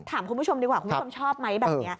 ถามคุณผู้ชมดีกว่าคุณผู้ชมชอบไหมแบบนี้